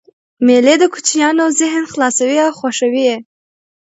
مېلې د کوچنيانو ذهن خلاصوي او خوښوي یې.